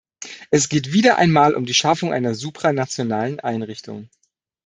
Es geht wieder einmal um die Schaffung einer supranationalen Einrichtung.